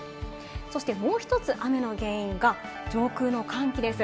そしてもう１つ雨の原因が上空の寒気です。